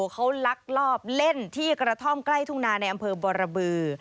เขาลักลอบเล่นที่กระท่อมใกล้ทุ่งนาในอำเภอบรบือ